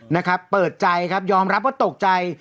นะครับเปิดใจครับยอมรับว่าตกใจ